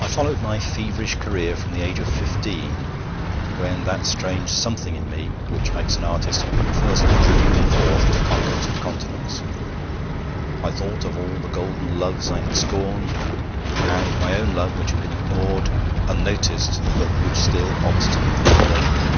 I followed my feverish career from the age of fifteen, when that strange Something in me, which makes an artist, had first driven me forth to conquer two continents. I thought of all the golden loves I had scorned, and my own love, which had been ignored, unnoticed, but which still obstinately burned.